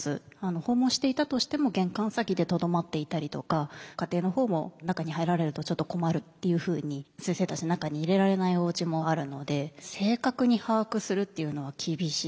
訪問していたとしても玄関先でとどまっていたりとか家庭の方も中に入られるとちょっと困るっていうふうに先生たちを中に入れられないおうちもあるのでお忙しい中でね。